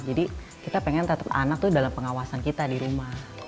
jadi kita pengen tetap anak itu dalam pengawasan kita di rumah